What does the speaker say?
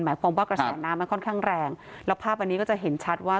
หมายความว่ากระแสน้ำมันค่อนข้างแรงแล้วภาพอันนี้ก็จะเห็นชัดว่า